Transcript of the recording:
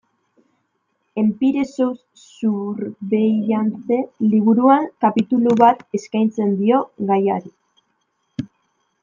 Empire sous Surveillance liburuan kapitulu bat eskaintzen dio gaiari.